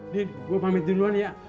ini gue pamit duluan ya